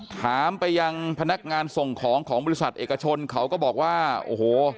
ถามไปยังพนักงานส่งของของบริษัทเอกชนเขาก็บอกว่าโอ้โห